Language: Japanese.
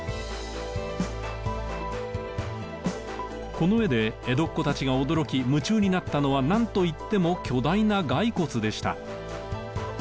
この絵で江戸っ子たちが驚き夢中になったのはなんといっても巨大な骸骨でした。